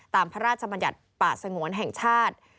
พระราชบัญญัติป่าสงวนแห่งชาติ